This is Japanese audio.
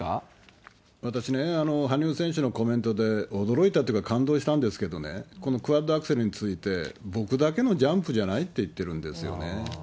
私ね、羽生選手のコメントで驚いたというか、感動したんですけどね、このクワッドアクセルについて、僕だけのジャンプじゃないって言ってるんですよね。